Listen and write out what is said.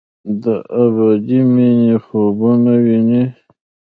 د ابدي مني خوبونه ویني